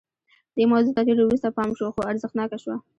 دې موضوع ته ډېر وروسته پام شو خو ارزښتناکه شوه